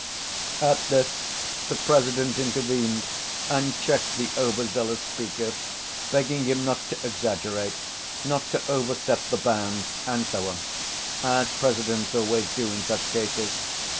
" At this the President intervened and checked the over‐zealous speaker, begging him not to exaggerate, not to overstep the bounds, and so on, as presidents always do in such cases.